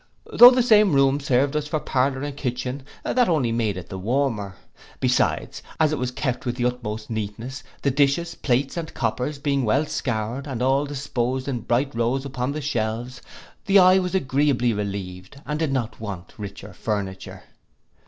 Though the same room served us for parlour and kitchen, that only made it the warmer. Besides, as it was kept with the utmost neatness, the dishes, plates, and coppers, being well scoured, and all disposed in bright rows on the shelves, the eye was agreeably relieved, and did not want richer furniture.